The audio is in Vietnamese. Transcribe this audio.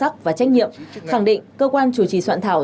chủ trì soạn thảo